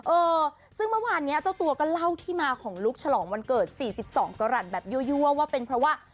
เออซึ่งเมื่อวานนี้เจ้าตัวก็เล่าที่มาของลุคฉลองวันเกิด๔๒กรัฐแบบยั่วว่าเป็นเพราะว่า